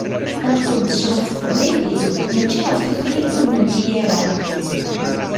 Nqeddec ɣef teqbaylit, mačči ɣef tutlayt ur nelli ara.